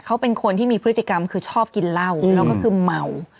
เขาเป็นคนที่มีพฤติกรรมคือชอบกินเหล้าแล้วก็คือเมา